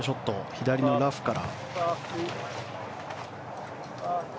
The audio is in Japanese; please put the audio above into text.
左のラフから。